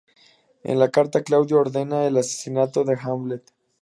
En la carta Claudio ordena el asesinato de Hamlet.